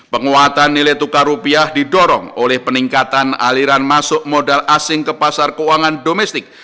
penguatan nilai tukar rupiah didorong oleh peningkatan aliran masuk modal asing ke pasar keuangan domestik